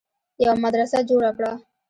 يوه مدرسه جوړه کړه